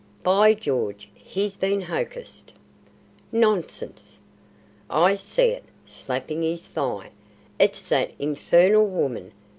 By George, he's been hocussed!" "Nonsense!" "I see it," slapping his thigh. "It's that infernal woman!